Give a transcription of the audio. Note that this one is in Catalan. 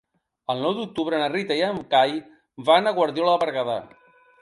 El nou d'octubre na Rita i en Cai van a Guardiola de Berguedà.